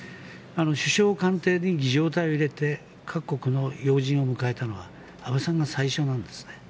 首相官邸に儀仗隊を入れて各国の要人を迎えたのは安倍さんが最初なんですね。